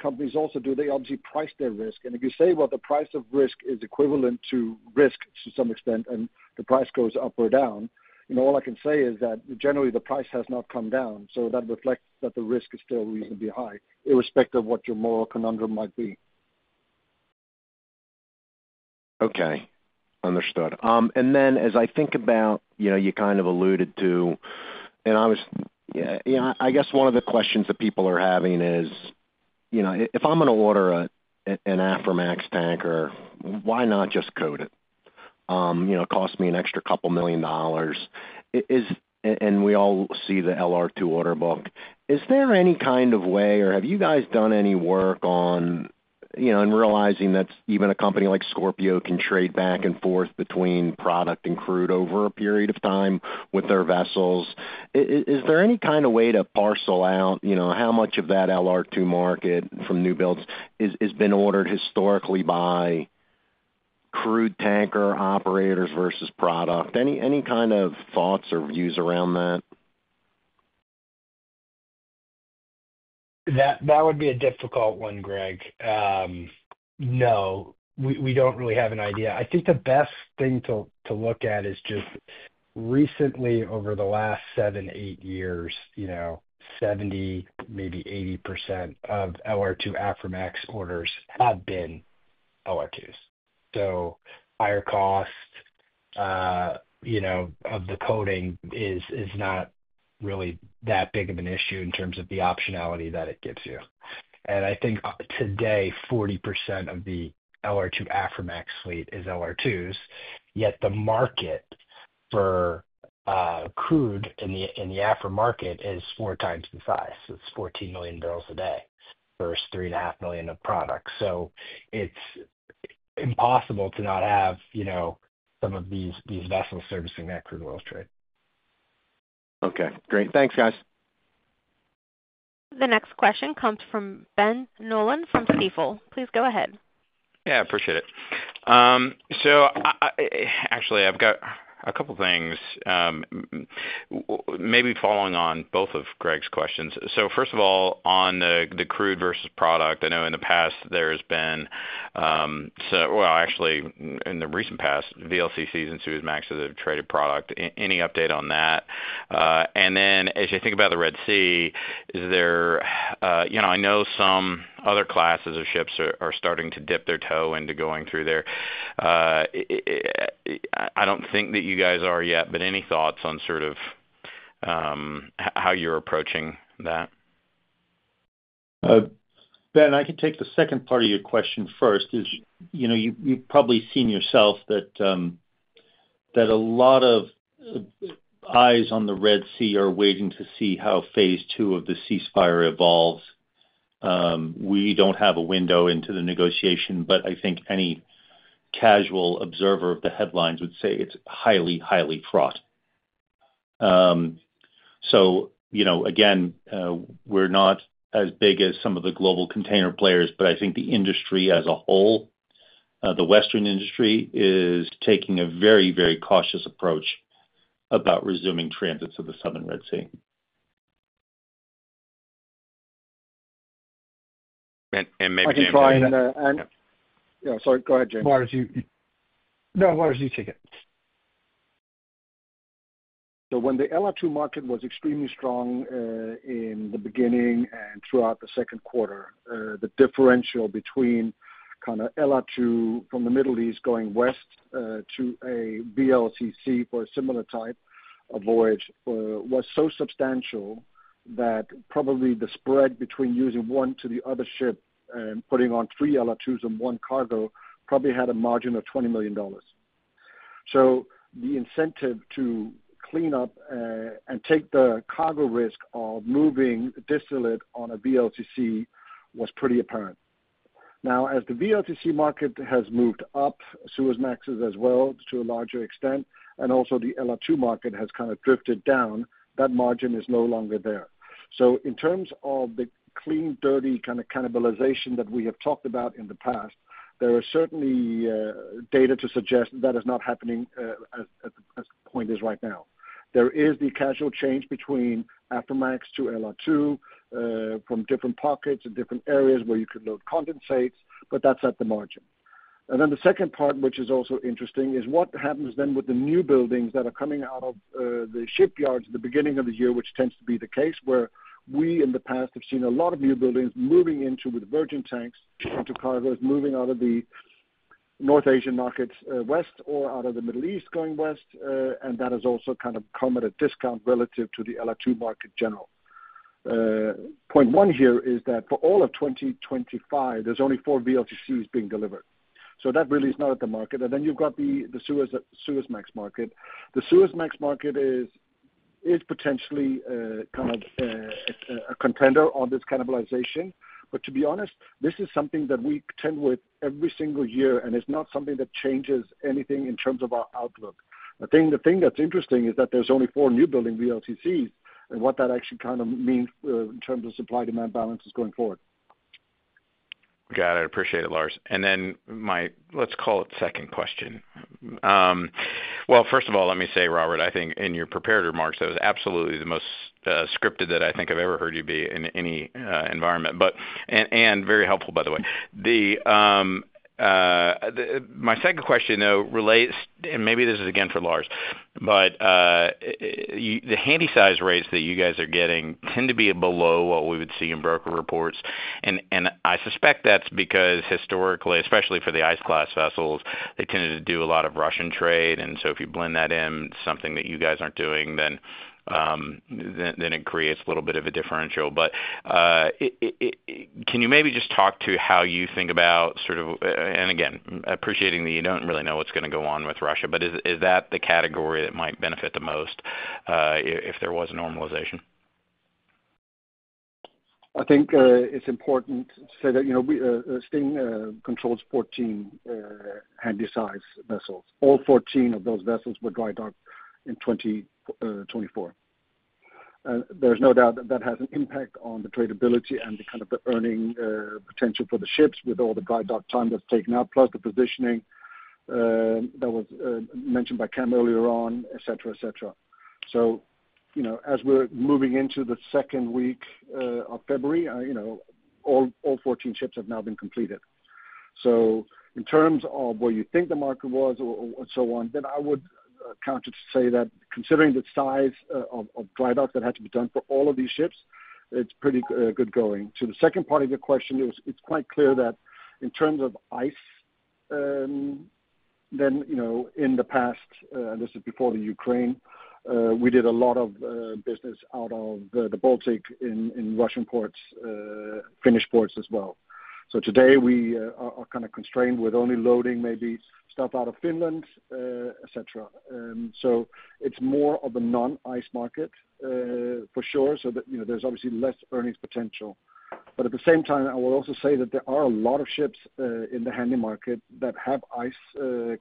companies also do, they obviously price their risk. And if you say, "Well, the price of risk is equivalent to risk to some extent, and the price goes up or down," all I can say is that generally, the price has not come down. So that reflects that the risk is still reasonably high, irrespective of what your moral conundrum might be. Okay. Understood. And then as I think about, you kind of alluded to, and I guess one of the questions that people are having is, "If I'm going to order an Aframax tanker, why not just coat it? It costs me an extra $2 million." And we all see the LR2 order book. Is there any kind of way, or have you guys done any work on realizing that even a company like Scorpio can trade back and forth between product and crude over a period of time with their vessels? Is there any kind of way to parcel out how much of that LR2 market from newbuilds has been ordered historically by crude tanker operators versus product? Any kind of thoughts or views around that? That would be a difficult one, Greg. No. We don't really have an idea. I think the best thing to look at is just recently, over the last seven, eight years, 70%, maybe 80% of LR2 Aframax orders have been LR2s. So higher cost of the coating is not really that big of an issue in terms of the optionality that it gives you. And I think today, 40% of the LR2 Aframax fleet is LR2s, yet the market for crude in the Afr market is four times the size. It's 14 million barrels a day versus 3.5 million of product. So it's impossible to not have some of these vessels servicing that crude oil trade. Okay. Great. Thanks, guys. The next question comes from Ben Nolan from Stifel. Please go ahead. Yeah. Appreciate it. So actually, I've got a couple of things, maybe following on both of Greg's questions. So first of all, on the crude versus product, I know in the past there has been, well, actually, in the recent past, VLCCs and Suezmax have traded product. Any update on that? And then as you think about the Red Sea, is there, I know some other classes of ships are starting to dip their toe into going through there. I don't think that you guys are yet, but any thoughts on sort of how you're approaching that? Ben, I can take the second part of your question first. You've probably seen yourself that a lot of eyes on the Red Sea are waiting to see how phase two of the ceasefire evolves. We don't have a window into the negotiation, but I think any casual observer of the headlines would say it's highly, highly fraught. So again, we're not as big as some of the global container players, but I think the industry as a whole, the Western industry, is taking a very, very cautious approach about resuming transit to the southern Red Sea. And maybe James will. I can try and, yeah. Sorry. Go ahead, James. As far as you take it. So when the LR2 market was extremely strong in the beginning and throughout the second quarter, the differential between kind of LR2 from the Middle East going west to a VLCC for a similar type of voyage was so substantial that probably the spread between using one to the other ship and putting on three LR2s and one cargo probably had a margin of $20 million. So the incentive to clean up and take the cargo risk of moving distillate on a VLCC was pretty apparent. Now, as the VLCC market has moved up, Suezmax has as well to a larger extent, and also the LR2 market has kind of drifted down, that margin is no longer there. So in terms of the clean, dirty kind of cannibalization that we have talked about in the past, there is certainly data to suggest that is not happening as the point is right now. There is the actual change between Aframax to LR2 from different pockets and different areas where you could load condensates, but that's at the margin. And then the second part, which is also interesting, is what happens then with the newbuildings that are coming out of the shipyards at the beginning of the year, which tends to be the case where we in the past have seen a lot of newbuildings moving into with virgin tanks into cargoes moving out of the North Asian markets west or out of the Middle East going west. And that has also kind of come at a discount relative to the LR2 market general. Point one here is that for all of 2025, there's only four VLCCs being delivered, so that really is not at the market, and then you've got the Suezmax market. The Suezmax market is potentially kind of a contender on this cannibalization, but, to be honest, this is something that we contend with every single year, and it's not something that changes anything in terms of our outlook. I think the thing that's interesting is that there's only four newbuilding VLCCs and what that actually kind of means in terms of supply-demand balances going forward. Got it. Appreciate it, Lars. And then my, let's call it second question. Well, first of all, let me say, Robert, I think in your prepared remarks, that was absolutely the most scripted that I think I've ever heard you be in any environment, and very helpful, by the way. My second question, though, relates, and maybe this is again for Lars, but the Handysize rates that you guys are getting tend to be below what we would see in broker reports. And I suspect that's because historically, especially for the ice-class vessels, they tended to do a lot of Russian trade. And so if you blend that in, something that you guys aren't doing, then it creates a little bit of a differential. But can you maybe just talk to how you think about sort of, and again, appreciating that you don't really know what's going to go on with Russia, but is that the category that might benefit the most if there was a normalization? I think it's important to say that we control 14 Handysize vessels. All 14 of those vessels were drydocked in 2024. There's no doubt that that has an impact on the tradability and kind of the earning potential for the ships with all the dry dock time that's taken out, plus the positioning that was mentioned by Cam earlier on, etc., etc. So as we're moving into the second week of February, all 14 ships have now been completed. So in terms of where you think the market was and so on, then I would count it to say that considering the size of dry dock that had to be done for all of these ships, it's pretty good going. To the second part of your question, it's quite clear that in terms of ice, then in the past, and this is before Ukraine, we did a lot of business out of the Baltic in Russian ports, Finnish ports as well. So today, we are kind of constrained with only loading maybe stuff out of Finland, etc. So it's more of a non-ice market for sure. So there's obviously less earnings potential. But at the same time, I will also say that there are a lot of ships in the Handy market that have ice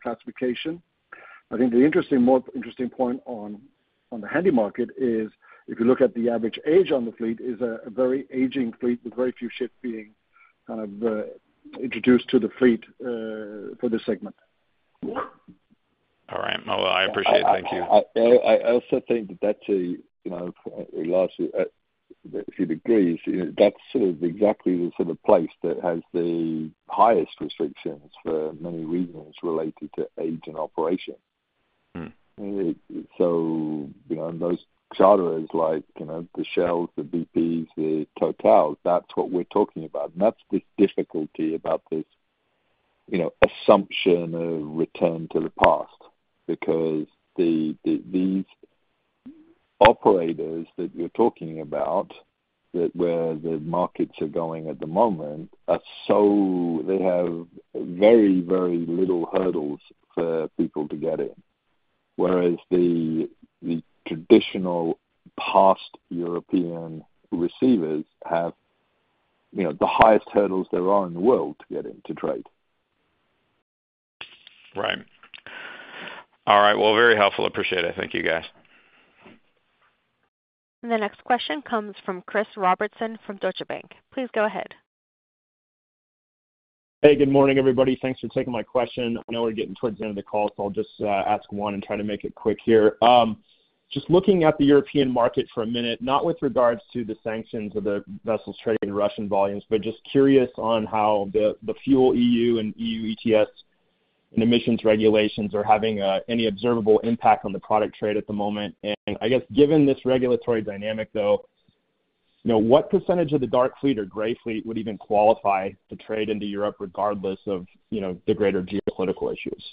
classification. I think the more interesting point on the Handy market is if you look at the average age on the fleet, it is a very aging fleet with very few ships being kind of introduced to the fleet for this segment. All right. Well, I appreciate it. Thank you. I also think that that's a large degree. That's sort of exactly the sort of place that has the highest restrictions for many reasons related to age and operation. So those charters, like the Shells, the BPs, the Totals, that's what we're talking about, and that's the difficulty about this assumption of return to the past because these operators that you're talking about, where the markets are going at the moment, they have very, very little hurdles for people to get in. Whereas the traditional past European receivers have the highest hurdles there are in the world to get into trade. Right. All right. Well, very helpful. Appreciate it. Thank you, guys. The next question comes from Chris Robertson from Deutsche Bank. Please go ahead. Hey, good morning, everybody. Thanks for taking my question. I know we're getting towards the end of the call, so I'll just ask one and try to make it quick here. Just looking at the European market for a minute, not with regards to the sanctions of the vessels trading in Russian volumes, but just curious on how the FuelEU and EU ETS and emissions regulations are having any observable impact on the product trade at the moment, and I guess given this regulatory dynamic, though, what percentage of the dark fleet or gray fleet would even qualify to trade into Europe regardless of the greater geopolitical issues?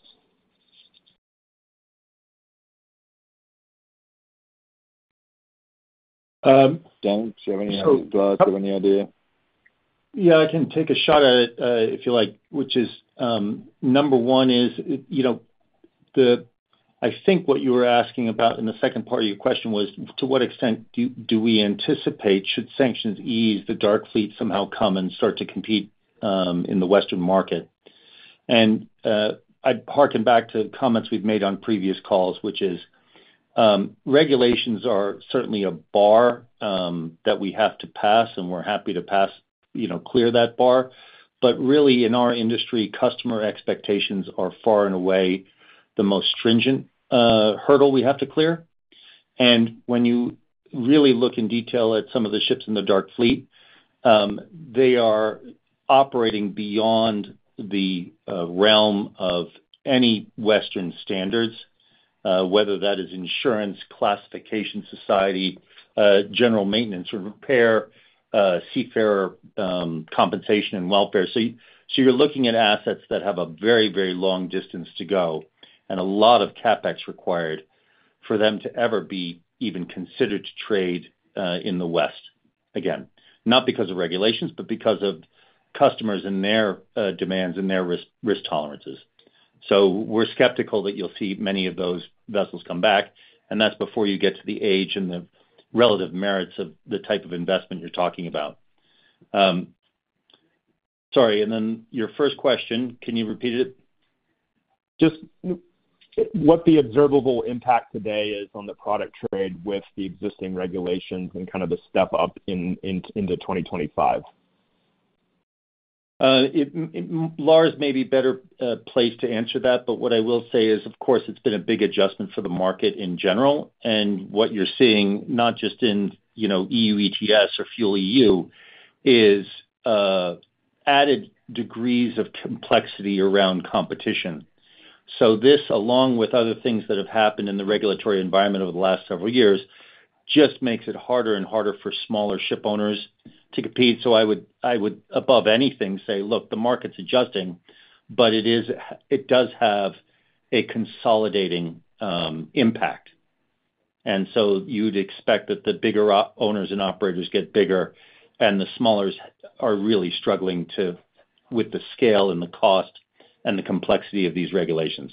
Don't. Do you have any idea? Yeah. I can take a shot at it if you like, which is number one is I think what you were asking about in the second part of your question was to what extent do we anticipate should sanctions ease, the dark fleet somehow come and start to compete in the Western market? And I'd harken back to comments we've made on previous calls, which is regulations are certainly a bar that we have to pass, and we're happy to clear that bar. But really, in our industry, customer expectations are far and away the most stringent hurdle we have to clear. And when you really look in detail at some of the ships in the dark fleet, they are operating beyond the realm of any Western standards, whether that is insurance, classification society, general maintenance and repair, seafarer compensation, and welfare. So you're looking at assets that have a very, very long distance to go and a lot of CapEx required for them to ever be even considered to trade in the West. Again, not because of regulations, but because of customers and their demands and their risk tolerances. So we're skeptical that you'll see many of those vessels come back, and that's before you get to the age and the relative merits of the type of investment you're talking about. Sorry. And then your first question, can you repeat it? Just what the observable impact today is on the product trade with the existing regulations and kind of the step up into 2025. Lars may be a better place to answer that, but what I will say is, of course, it's been a big adjustment for the market in general, and what you're seeing, not just in EU ETS or FuelEU, is added degrees of complexity around competition. So this, along with other things that have happened in the regulatory environment over the last several years, just makes it harder and harder for smaller ship owners to compete. So I would, above anything, say, "Look, the market's adjusting, but it does have a consolidating impact," and so you'd expect that the bigger owners and operators get bigger, and the smallers are really struggling with the scale and the cost and the complexity of these regulations.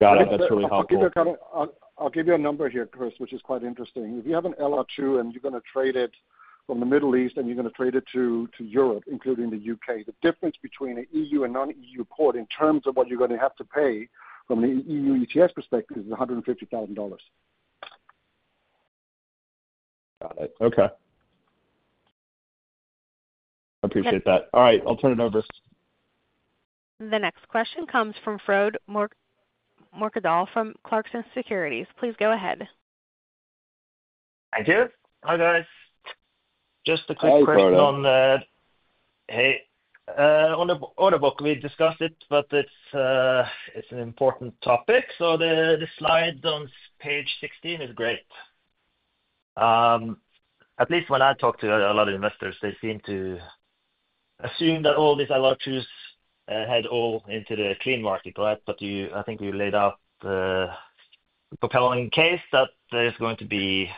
Got it. That's really helpful. I'll give you a number here, Chris, which is quite interesting. If you have an LR2 and you're going to trade it from the Middle East and you're going to trade it to Europe, including the UK, the difference between an EU and non-EU port in terms of what you're going to have to pay from the EU ETS perspective is $150,000. Got it. Okay. Appreciate that. All right. I'll turn it over. The next question comes from Frode Mørkedal from Clarksons Securities. Please go ahead. Thank you. Hi, guys. Just a quick question on that. Hey, on the order book, we discussed it, but it's an important topic. So the slide on page 16 is great. At least when I talk to a lot of investors, they seem to assume that all these LR2s head all into the clean market, right? But I think you laid out the compelling case that there's going to be,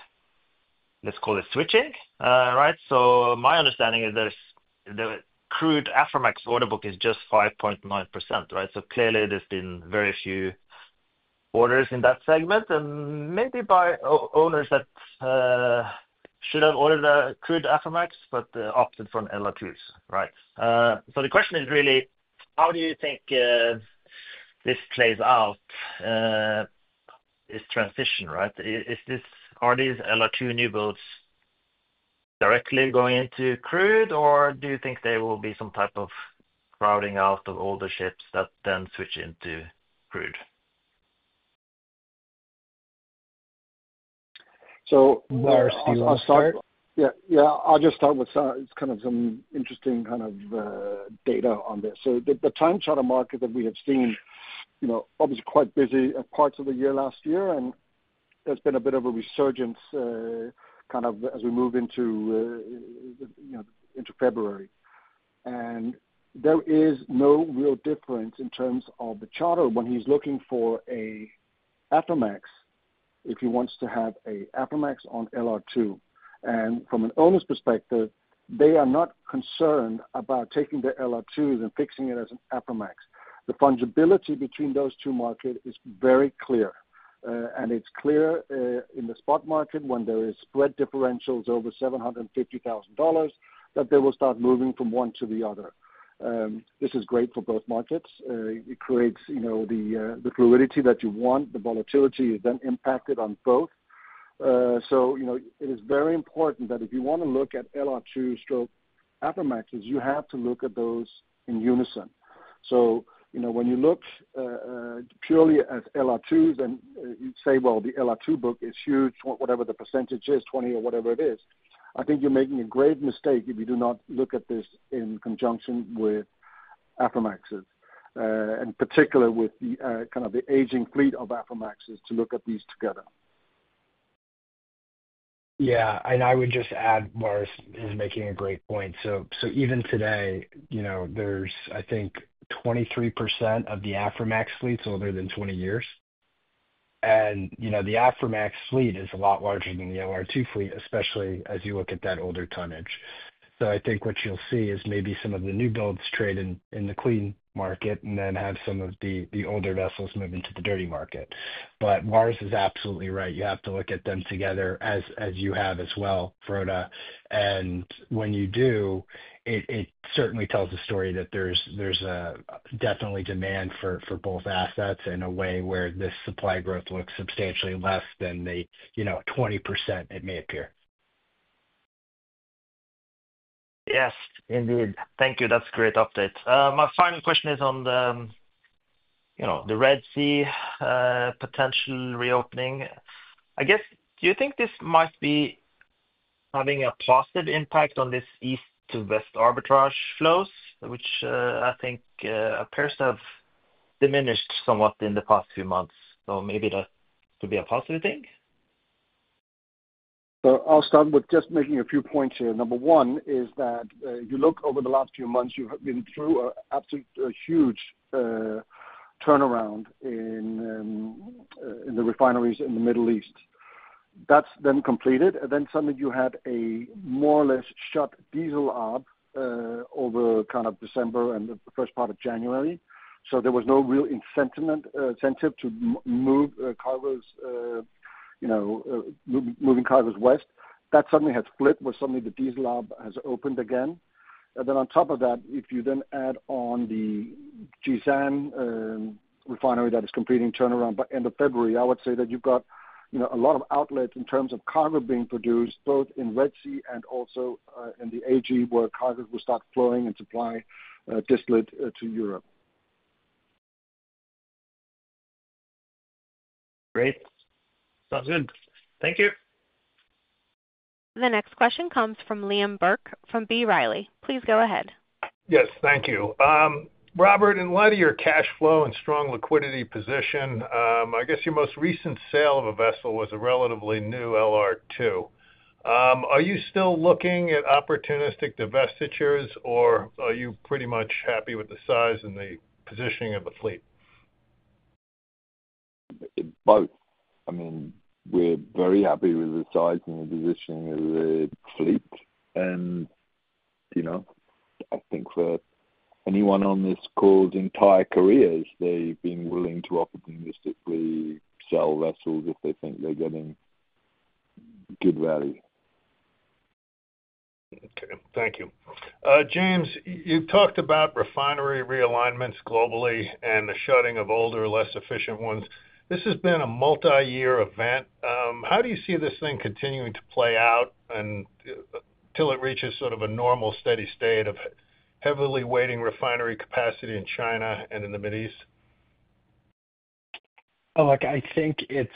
let's call it, switching, right? So my understanding is the crude Aframax order book is just 5.9%, right? So clearly, there's been very few orders in that segment, and maybe by owners that should have ordered a crude Aframax but opted for an LR2s, right? So the question is really, how do you think this plays out, this transition, right? Are these LR2 new boats directly going into crude, or do you think there will be some type of crowding out of older ships that then switch into crude? Lars, do you want to start? Yeah. Yeah. I'll just start with kind of some interesting kind of data on this. The time charter market that we have seen was quite busy in parts of the year last year, and there's been a bit of a resurgence kind of as we move into February. There is no real difference in terms of the charterer when he's looking for an Aframax if he wants to have an Aframax or LR2. From an owner's perspective, they are not concerned about taking the LR2s and fixing it as an Aframax. The fungibility between those two markets is very clear. It's clear in the spot market when there are spread differentials over $750,000 that they will start moving from one to the other. This is great for both markets. It creates the fluidity that you want. The volatility is then impacted on both. So it is very important that if you want to look at LR2s or Aframaxes, you have to look at those in unison. So when you look purely at LR2s and you say, "Well, the LR2 book is huge," whatever the percentage is, 20 or whatever it is, I think you're making a grave mistake if you do not look at this in conjunction with Aframaxes, and particularly with kind of the aging fleet of Aframaxes to look at these together. Yeah. And I would just add, Lars is making a great point. So even today, there's, I think, 23% of the Aframax fleets older than 20 years. And the Aframax fleet is a lot larger than the LR2 fleet, especially as you look at that older tonnage. So I think what you'll see is maybe some of the newbuilds trade in the clean market and then have some of the older vessels move into the dirty market. But Lars is absolutely right. You have to look at them together as you have as well, Frode. And when you do, it certainly tells a story that there's definitely demand for both assets in a way where this supply growth looks substantially less than the 20% it may appear. Yes, indeed. Thank you. That's a great update. My final question is on the Red Sea potential reopening. I guess, do you think this might be having a positive impact on this east-to-west arbitrage flows, which I think appears to have diminished somewhat in the past few months? So maybe that could be a positive thing. So I'll start with just making a few points here. Number one is that you look over the last few months, you've been through a huge turnaround in the refineries in the Middle East. That's then completed. And then suddenly you had a more or less shut diesel hub over kind of December and the first part of January. So there was no real incentive to move cargoes, moving cargoes west. That suddenly has flipped where suddenly the diesel hub has opened again. And then on top of that, if you then add on the Jazan refinery that is completing turnaround by end of February, I would say that you've got a lot of outlets in terms of cargo being produced both in Red Sea and also in the AG where cargoes will start flowing and supply deployed to Europe. Great. Sounds good. Thank you. The next question comes from Liam Burke from B. Riley. Please go ahead. Yes. Thank you. Robert, in light of your cash flow and strong liquidity position, I guess your most recent sale of a vessel was a relatively new LR2. Are you still looking at opportunistic divestitures, or are you pretty much happy with the size and the positioning of the fleet? Both. I mean, we're very happy with the size and the positioning of the fleet, and I think for anyone on this call, their entire careers, they've been willing to opportunistically sell vessels if they think they're getting good value. Okay. Thank you. James, you've talked about refinery realignments globally and the shutting of older, less efficient ones. This has been a multi-year event. How do you see this thing continuing to play out until it reaches sort of a normal steady state of heavily weighting refinery capacity in China and in the Middle East? Look, I think it's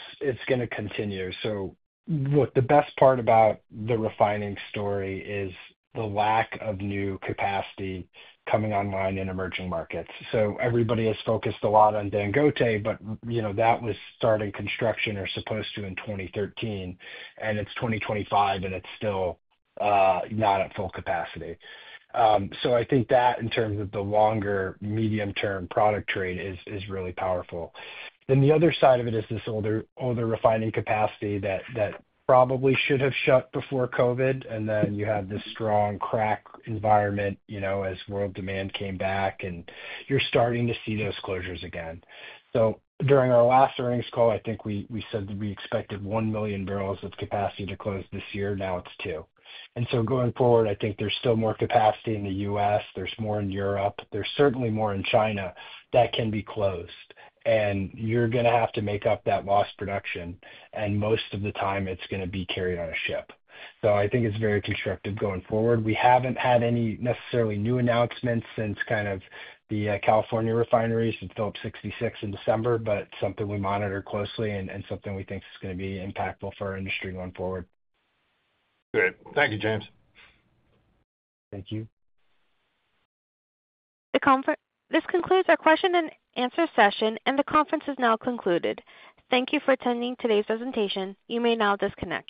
going to continue. So look, the best part about the refining story is the lack of new capacity coming online in emerging markets. So everybody has focused a lot on Dangote, but that was starting construction or supposed to in 2013, and it's 2025, and it's still not at full capacity. So I think that in terms of the longer medium-term product trade is really powerful. Then the other side of it is this older refining capacity that probably should have shut before COVID. And then you had this strong crack environment as world demand came back, and you're starting to see those closures again. So during our last earnings call, I think we said that we expected 1 million barrels of capacity to close this year. Now it's two. And so going forward, I think there's still more capacity in the U.S. There's more in Europe. There's certainly more in China that can be closed, and you're going to have to make up that lost production, and most of the time, it's going to be carried on a ship, so I think it's very constructive going forward. We haven't had any necessarily new announcements since kind of the California refineries and Phillips 66 in December, but something we monitor closely and something we think is going to be impactful for our industry going forward. Good. Thank you, James. Thank you. This concludes our question and answer session, and the conference is now concluded. Thank you for attending today's presentation. You may now disconnect.